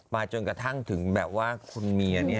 มาจนกระทั่งถึงแบบว่าคุณเมียเนี่ยนะ